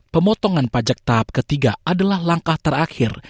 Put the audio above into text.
pemotongan pajak tahap ketiga adalah langkah terakhir